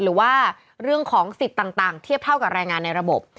หรือว่าเรื่องของสิทธิ์ต่างเทียบเท่ากับแรงงานในระบบ